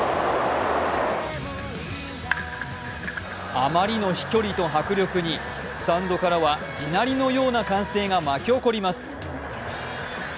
あまりの飛距離と迫力にスタンドからは地鳴りのような歓声が巻き起こります。